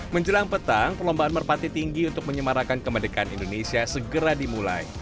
menjelang petang perlombaan merpati tinggi untuk menyemarakan kemerdekaan indonesia segera dimulai